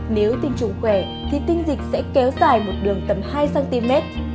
nếu tình trùng khỏe thì tinh dịch sẽ kéo dài một đường tầm hai cm